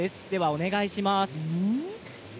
お願いします。